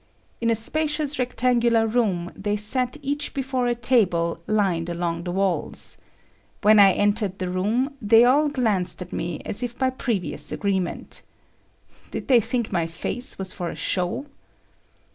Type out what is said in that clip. In a spacious rectangular room, they sat each before a table lined along the walls. When I entered the room, they all glanced at me as if by previous agreement. Did they think my face was for a show?